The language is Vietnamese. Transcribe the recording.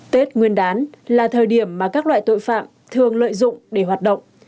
tết nguyên đán là thời điểm mà các loại tội phạm thường lợi dụng để hoạt động